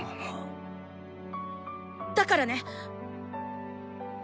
だからね。